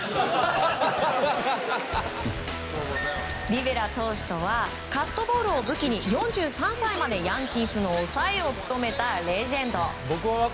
リベラ投手とはカットボールを武器に４３歳までヤンキースの抑えを務めたレジェンド。